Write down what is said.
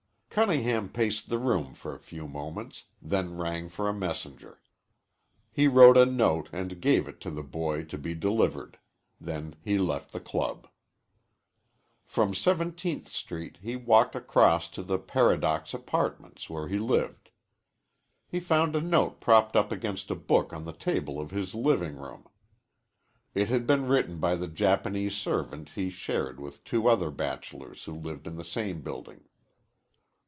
Cunningham paced the room for a few moments, then rang for a messenger. He wrote a note and gave it to the boy to be delivered. Then he left the club. From Seventeenth Street he walked across to the Paradox Apartments where he lived. He found a note propped up against a book on the table of his living room. It had been written by the Japanese servant he shared with two other bachelors who lived in the same building.